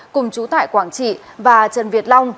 cùng chú tại quảng trị và trần việt long